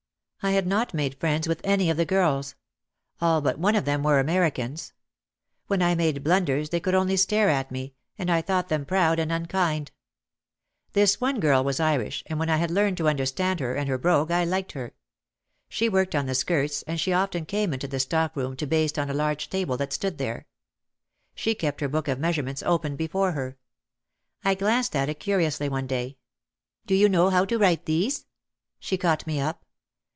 I had not made friends with any of the girls. All but one of them were Americans. When I made blunders they could only stare at me, and I thought them proud and unkind. This one girl was Irish and when I had learned to understand her and her brogue I liked her. She worked on the skirts and she often came into the stock room to baste on a large table that stood there. She kept her book of measurements open before her. I glanced at it curiously one day. "Do you know how to write these ?" She caught me up.